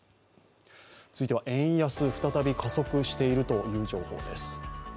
続いては円安、再び加速しているという情報です。